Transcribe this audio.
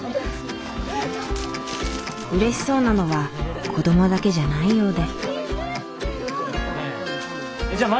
うれしそうなのは子どもだけじゃないようで。